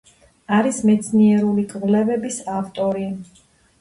არის მეცნიერული კვლევების ავტორი.